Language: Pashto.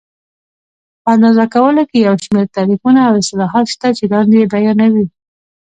په اندازه کولو کې یو شمېر تعریفونه او اصلاحات شته چې لاندې یې بیانوو.